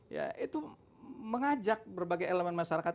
ya itu mengajak berbagai elemen masyarakat